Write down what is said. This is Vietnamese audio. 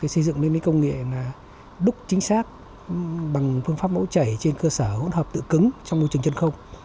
xây dựng lên công nghệ đúc chính xác bằng phương pháp mẫu chảy trên cơ sở hỗn hợp tự cứng trong môi trường chân không